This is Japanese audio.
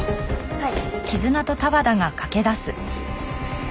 はい。